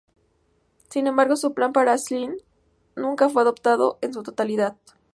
Sin embargo, su plan para Zlín nunca fue adoptado en su totalidad.